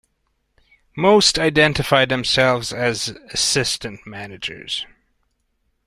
Most identify themselves as "assistant managers.